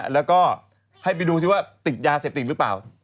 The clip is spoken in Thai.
แล้วก็ให้ไปดูสิว่าติดยาเสพติดหรือเปล่า